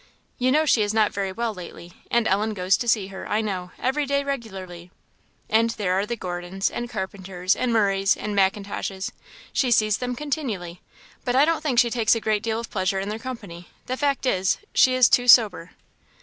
You know she is not very well lately, and Ellen goes to see her, I know, every day regularly; and there are the Gordons, and Carpenters, and Murrays, and M'Intoshes she sees them continually, but I don't think she takes a great deal of pleasure in their company. The fact is, she is too sober."